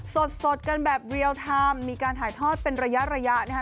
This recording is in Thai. สดกันแบบเรียลไทม์มีการถ่ายทอดเป็นระยะนะคะ